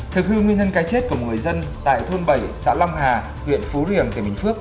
thực hư nguyên nhân cái chết của một người dân tại thôn bảy xã long hà huyện phú riềng tỉnh bình phước